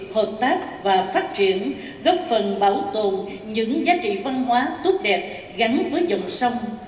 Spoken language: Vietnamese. hợp tác và phát triển góp phần bảo tồn những giá trị văn hóa tốt đẹp gắn với dòng sông